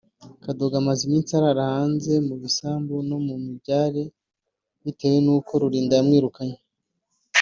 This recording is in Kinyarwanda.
Kadogo amaze iminsi arara hanze mu bisambu no mu mibyare bitewe nuko Rulinda yamwirukanye